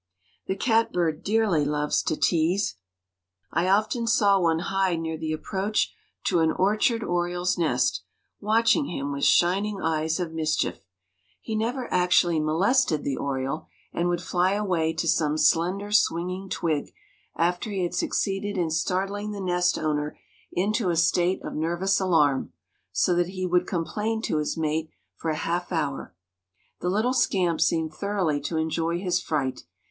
The catbird dearly loves to tease. I often saw one hide near the approach to an orchard oriole's nest, watching him with shining eyes of mischief. He never actually molested the oriole, and would fly away to some slender, swinging twig, after he had succeeded in startling the nest owner into a state of nervous alarm, so that he would complain to his mate for a half hour. The little scamp seemed thoroughly to enjoy his fright.